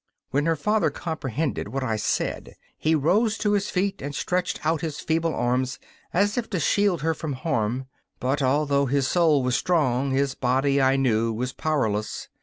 When her father comprehended what I said he rose to his feet and stretched out his feeble arms as if to shield her from harm, but, although his soul was strong, his body, I knew, was powerless.